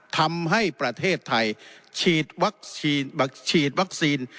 ทำให้ประเทศไทยฉีดวัคซีน